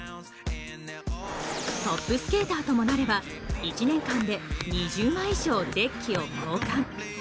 トップスケーターともなれば１年間で２０枚以上、デッキを交換。